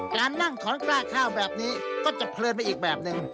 การนั่งถอนกล้าข้าวแบบนี้ก็จะเพลินไปอีกแบบหนึ่ง